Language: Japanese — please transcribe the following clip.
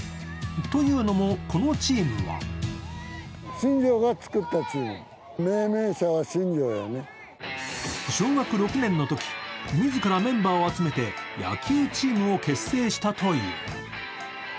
というのも、このチームは小学６年のとき自らメンバーを集めて野球チームを結成したという。